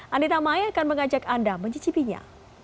anita mai akan mengajak anda mencicipinya